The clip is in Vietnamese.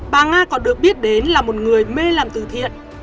bà nga còn được biết đến là một người mê làm từ thiện